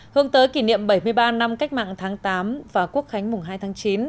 hướng tới kỷ niệm bảy mươi ba năm cách mạng tháng tám và quốc khánh mùng hai tháng chín